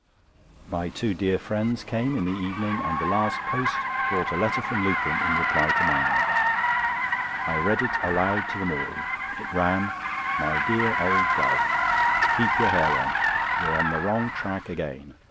My two dear friends came in the evening, and the last post brought a letter from Lupin in reply to mine. I read it aloud to them all. It ran: "My dear old Guv.,—Keep your hair on. You are on the wrong tack again.